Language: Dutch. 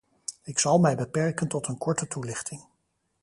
Ik zal mij beperken tot een korte toelichting.